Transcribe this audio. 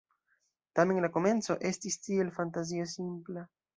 Tamen, la komenco estis tiel fantazie simpla...